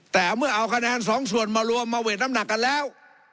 แต่เมื่อเอาคะแนนสองส่วนมารวมมาเวทน้ำหนักกันแล้ว